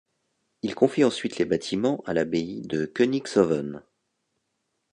Il confie ensuite les bâtiments à l'abbaye de Königshoven.